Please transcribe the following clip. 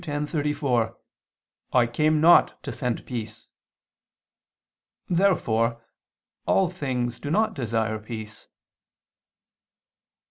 10:34): "I came not to send peace." Therefore all things do not desire peace.